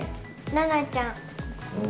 ななちゃん。